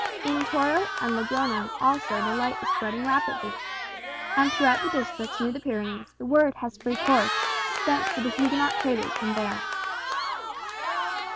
In Toro and Logrono also the light is spreading rapidly. And throughout the districts near the Pyrenees the Word has free course, thanks to the Huguenot traders from Béarn."